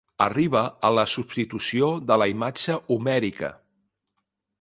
Arriba a la substitució de la imatge homèrica.